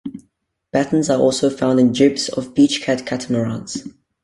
Battens are also found in jibs of beach-cat catamarans.